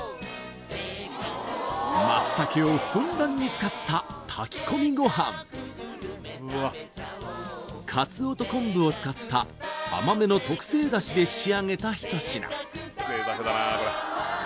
松茸をふんだんに使った炊き込みごはんカツオと昆布を使った甘めの特製ダシで仕上げた一品